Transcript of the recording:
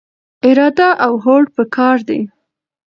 اراده او هوډ پکار دی.